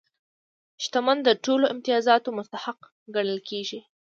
شتمن د ټولو امتیازاتو مستحق ګڼل کېږي.